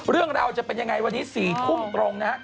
เรื่องราวจะเป็นยังไงวันนี้๔ทุ่มตรงนะฮะ